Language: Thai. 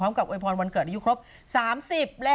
พร้อมกับไอพรวันเกิดอายุครบ๓๐แล้ว